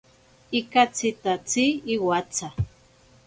Ikatsitatsi iwatsa.